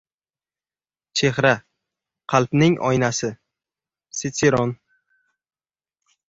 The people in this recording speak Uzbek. Chehra – qalbning oynasi. Sitseron